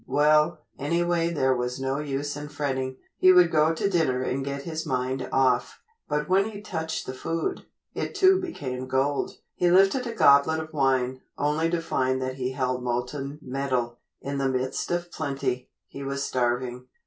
Well, anyway there was no use in fretting. He would go to dinner and get his mind off. But when he touched the food, it too became gold. He lifted a goblet of wine, only to find that it held molten metal. In the midst of plenty, he was starving.